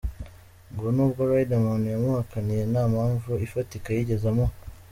Ngo n’ubwo Rideman yamuhakaniye nta mpamvu ifatika yigeze amuha.